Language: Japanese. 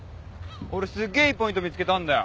俺すげえポイント見つけたんだよ